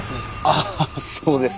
あっそうですね。